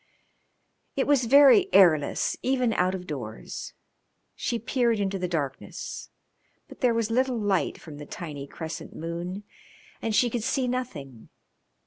It was very airless even out of doors. She peered into the darkness, but there was little light from the tiny crescent moon, and she could see nothing.